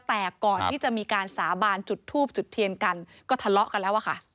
แต่ก่อนที่จะมีการสาบานจุดทูบจุดเทียนกันก็ทะเลาะกันแล้วอะค่ะ